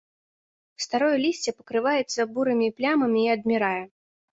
Старое лісце пакрываецца бурымі плямамі і адмірае.